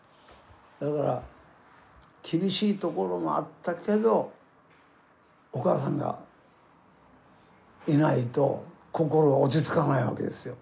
だから厳しいところもあったけどお母さんがいないと心が落ち着かないわけですよ。